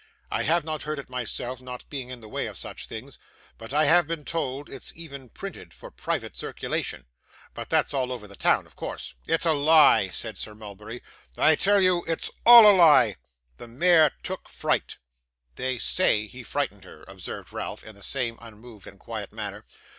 'I have not heard it myself, not being in the way of such things, but I have been told it's even printed for private circulation but that's all over town, of course.' 'It's a lie!' said Sir Mulberry; 'I tell you it's all a lie. The mare took fright.' 'They SAY he frightened her,' observed Ralph, in the same unmoved and quiet manner.